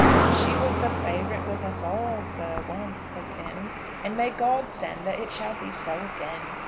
"She was the favourite with us all, sir, once," said Fanny, "and may God send that it shall be so again.